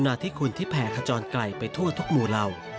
พระมหากรุณาธิคุณที่แผนขจรไกลไปทั่วทุกมูรรัว